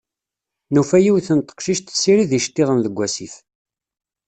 Nufa yiwet n teqcict tessirid iceṭṭiḍen deg wasif.